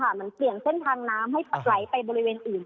เหมือนเปลี่ยนเส้นทางน้ำให้ไหลไปบริเวณอื่น